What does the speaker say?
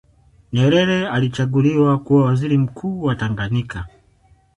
Nyerere alichaguliwa kuwa waziri mkuu wa Tanganyika